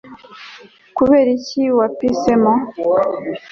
kubera iki wapisemo